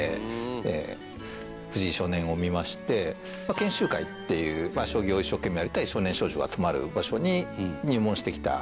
研修会っていう将棋を一生懸命やりたい少年少女が集まる場所に入門してきた。